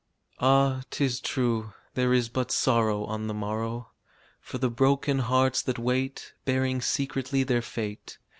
Ah, 'tis true there is but sorrow On the morrow For the broken hearts that wait, Bearing secretly their fate.